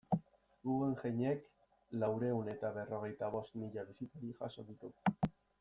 Guggenheimek laurehun eta berrogeita bost mila bisitari jaso ditu.